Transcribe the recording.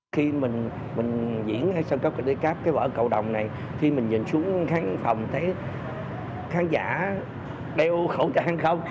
khi mình diễn ở sân khấu cà tây cáp cái bộ cộng đồng này khi mình nhìn xuống khán phòng thấy khán giả đeo khẩu trang không